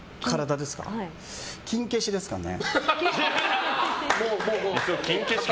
キン消しですかね。